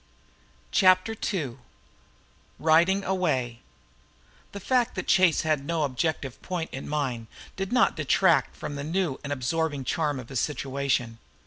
CHAPTER II RIDING AWAY The fact that Chase had no objective point in mind did not detract from the new and absorbing charm of his situation.